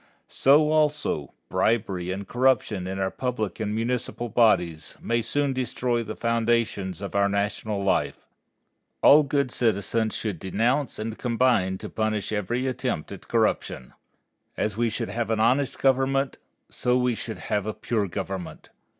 So, also, bribery and corruption in our public and municipal bodies, may soon destroy the foundations of our national life. All good citizens should denounce and combine to punish every attempt at corruption. As we should have an honest government, so we should have a pure government.